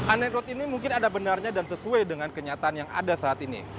anerot ini mungkin ada benarnya dan sesuai dengan kenyataan yang ada saat ini